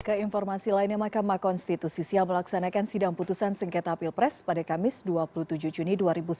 ke informasi lainnya mahkamah konstitusi siap melaksanakan sidang putusan sengketa pilpres pada kamis dua puluh tujuh juni dua ribu sembilan belas